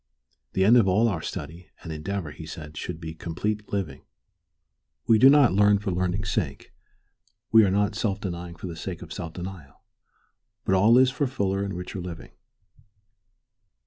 The end of all our study and endeavor, he said, should be complete living. We do not learn for learning's sake, we are not self denying for the sake of self denial, but all is for fuller and richer living.